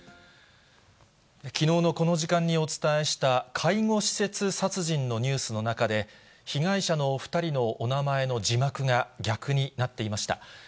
きのうのこの時間にお伝えした、介護施設殺人のニュースの中で、被害者のお２人のお名前の字幕が逆になっていました。